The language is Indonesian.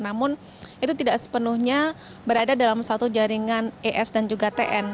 namun itu tidak sepenuhnya berada dalam satu jaringan es dan juga tn